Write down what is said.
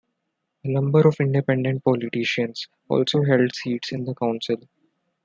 A number of independent politicians also held seats in the council.